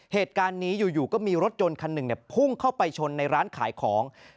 เหตุการณ์นี้อยู่ก็มีรถยนต์คันหนึ่งพุ่งเข้าไปชนในร้านขายของ